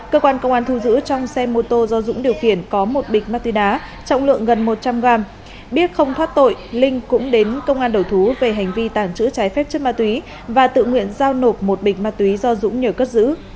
cơ quan công an thu giữ trong xe mô tô do dũng điều khiển có một bịch ma túy đá trọng lượng gần một trăm linh gram biết không thoát tội linh cũng đến công an đầu thú về hành vi tàng trữ trái phép chất ma túy và tự nguyện giao nộp một bịch ma túy do dũng nhờ cất giữ